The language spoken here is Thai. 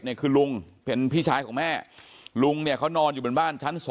เนี่ยคือลุงเป็นพี่ชายของแม่ลุงเนี่ยเขานอนอยู่บนบ้านชั้น๒